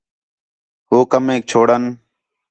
ہو کمیک چھوڑݨ